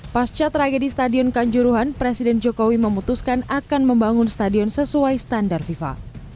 pada saat tragedi stadion kanjuruhan presiden jokowi memutuskan akan membangun stadion sesuai standar fifa